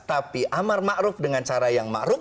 tapi amar ma'ruf dengan cara yang ma'ruf